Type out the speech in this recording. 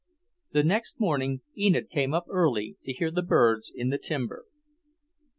The next morning Enid came up early to hear the birds in the timber.